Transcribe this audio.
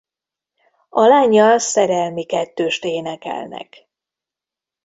A lánnyal szerelmi kettőst énekelnek.